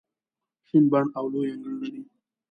شین بڼ او لوی انګړ لري.